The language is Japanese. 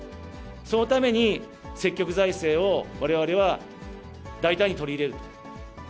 そのために、積極財政をわれわれは大胆に取り入れると。